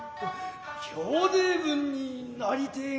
兄弟分になりてえが。